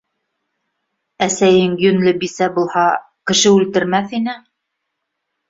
Әсәйең йүнле бисә булһа, кеше үлтермәҫ ине.